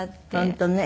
本当ね。